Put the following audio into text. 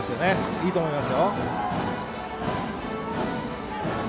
いいと思いますよ。